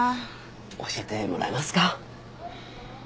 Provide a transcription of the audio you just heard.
教えてもらえますか？